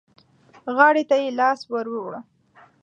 غاړې ته يې لاس ور ووړ.